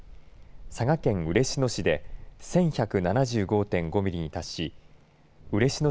佐賀県嬉野市で１１７５．５ミリに達し嬉野